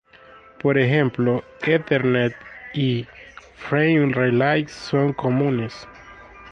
Por ejemplo, Ethernet y Frame Relay son comunes.